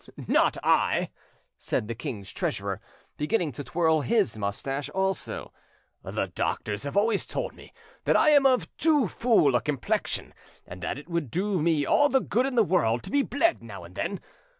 "Not I," said the king's treasurer, beginning to twirl his moustache also: "the doctors have always told me that I am of too full a complexion and that it would do me all the good in the world to be bled now and then.